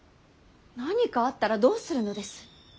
何かあったらどうするのです。